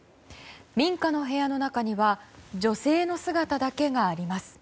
民家の部屋の中には女性の姿だけがあります。